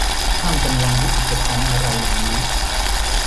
ช่างเป็นวันที่อัศจรรย์อะไรอย่างนี้